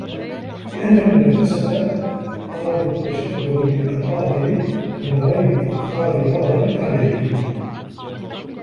لِأَنَّ الْمُنَافَسَةَ طَلَبُ التَّشَبُّهِ بِالْأَفَاضِلِ مِنْ غَيْرِ إدْخَالِ ضَرَرٍ عَلَيْهِمْ